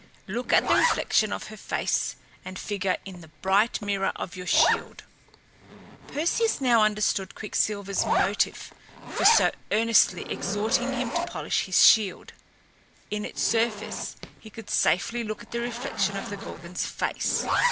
Look at the reflection of her face and figure in the bright mirror of your shield." [Illustration: PERSEUS SLAYING THE MEDUSA] Perseus now understood Quicksilver's motive for so earnestly exhorting him to polish his shield. In its surface he could safely look at the reflection of the Gorgon's face.